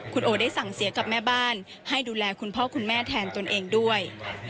คุณโอได้สั่งเสียกับแม่บ้านให้ดูแลคุณพ่อคุณแม่แทนตนเองด้วย